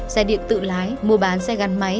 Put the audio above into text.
xe điện tự lái mua bán xe gắn máy